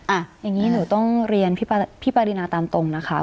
อย่างนี้หนูต้องเรียนพี่ปรินาตามตรงนะคะ